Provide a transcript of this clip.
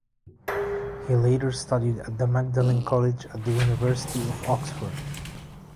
He later studied at Magdalen College at the University of Oxford.